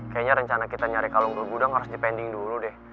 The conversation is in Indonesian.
kayaknya rencana kita nyari kalung gudang harus dipending dulu deh